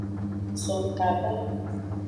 Zon kaba.